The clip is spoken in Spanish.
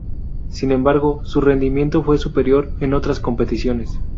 Sin embargo, su rendimiento fue superior en otras competiciones.